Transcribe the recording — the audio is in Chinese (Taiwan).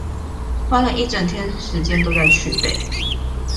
花了一整天時間都在去背